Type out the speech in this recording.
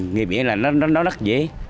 người nghĩ là nó đắt dễ